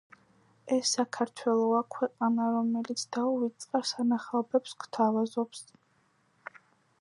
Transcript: ეს საქართველოა, ქვეყანა, რომელიც დაუვიწყარ სანახაობებს გთავაზობს!